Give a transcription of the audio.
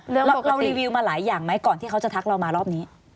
เรารีวิวมาหลายอย่างไหมก่อนที่เขาจะทักเรามารอบนี้